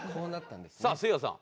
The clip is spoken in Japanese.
さあせいやさん。